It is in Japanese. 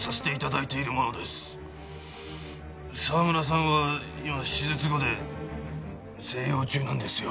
澤村さんは今手術後で静養中なんですよ。